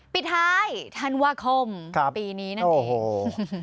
ปิดท้ายธันวาคมปีนี้นั่นเอง